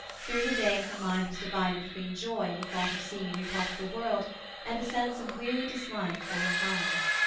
Through the day her mind was divided between joy in the thought of seeing a new part of the world and a sense of weary dislike for her home.